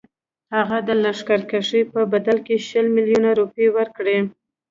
هغه د لښکرکښۍ په بدل کې شل میلیونه روپۍ ورکړي.